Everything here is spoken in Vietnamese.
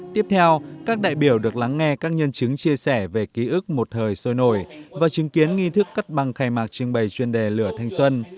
tiếp theo các đại biểu được lắng nghe các nhân chứng chia sẻ về ký ức một thời sôi nổi và chứng kiến nghi thức cắt băng khai mạc trưng bày chuyên đề lửa thanh xuân